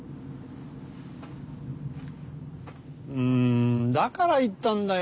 うんだから言ったんだよ